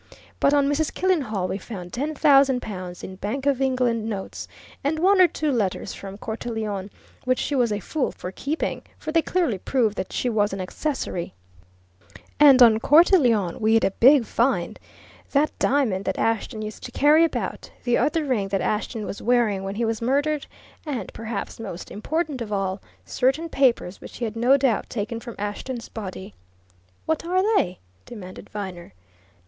But on Mrs. Killenhall we found ten thousand pounds in Bank of England notes, and one or two letters from Cortelyon, which she was a fool for keeping, for they clearly prove that she was an accessory. And on Cortelyon we'd a big find! That diamond that Ashton used to carry about, the other ring that Ashton was wearing when he was murdered, and perhaps most important of all certain papers which he'd no doubt taken from Ashton's body." "What are they?" demanded Viner.